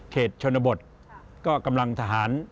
ชนบทก็กำลังทหาร